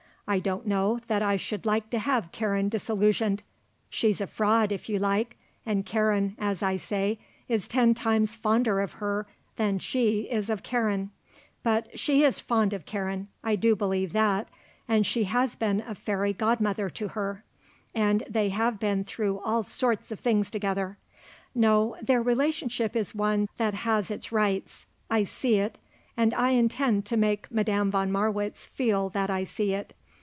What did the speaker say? I don't know that I should like to have Karen disillusioned. She's a fraud if you like, and Karen, as I say, is ten times fonder of her than she is of Karen; but she is fond of Karen; I do believe that. And she has been a fairy godmother to her. And they have been through all sorts of things together. No; their relationship is one that has its rights. I see it, and I intend to make Madame von Marwitz feel that I see it.